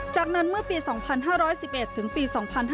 จากนั้นเมื่อปี๒๕๑๑ถึงปี๒๕๕๙